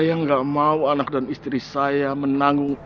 saya nggak mau anak dan istri saya menanggung